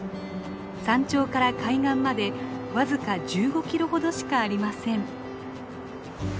山頂から海岸まで僅か１５キロほどしかありません。